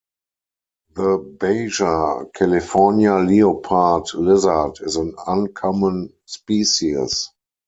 The Baja California leopard lizard is an uncommon species.